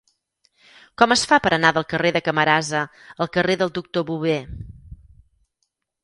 Com es fa per anar del carrer de Camarasa al carrer del Doctor Bové?